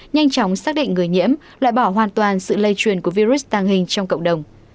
nhanh chóng xác định người nhiễm loại bỏ hoàn toàn sự lây truyền của virus tăng hình trong cộng đồng